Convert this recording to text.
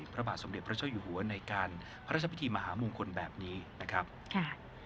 พระบาทสมเด็จพระเจ้าอยู่หัวในการพระราชพิธีมหามงคลแบบนี้นะครับค่ะ